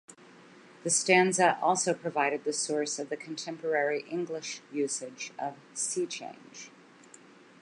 This stanza also provided the source of the contemporary English usage of "sea change".